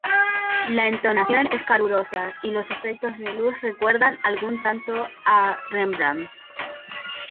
La entonación es calurosa y los efectos de luz recuerdan algún tanto a Rembrandt.